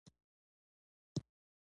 شېخ اسماعیل پالنه سړبن کړې ده.